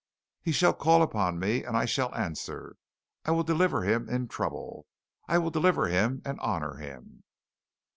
"He shall call upon me and I shall answer. I will deliver him in trouble. I will deliver him and honor him."